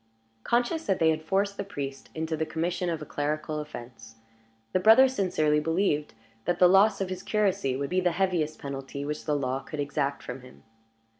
Conscious that they had forced the priest into the commission of a clerical offense, the brothers sincerely believed that the loss of his curacy would be the heaviest penalty which the law could exact from him.